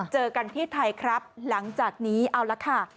เจอกันที่ไทยครับหลังจากนี้เอาละค่ะ